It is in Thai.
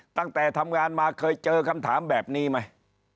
ตั้งแต่ทำงานมาเคยเจอคำถามแบบนี้ไหม